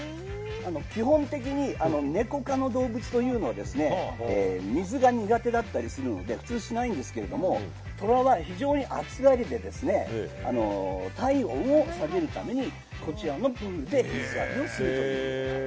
基本的にネコ科の動物というのは水が苦手だったりするので普通しないんですけどもトラは非常に暑がりで体温を下げるためにこちらのプールで水浴びをするという。